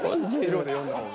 色で呼んだ方が。